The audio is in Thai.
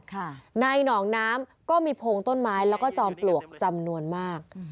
ในหนองน้ำก็มีโพงต้นไม้แล้วก็จอมปลวกจำนวนมาก